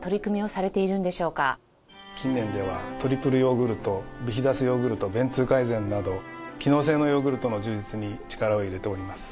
近年ではトリプルヨーグルトビヒダスヨーグルト便通改善など機能性ヨーグルトの充実に力を入れております。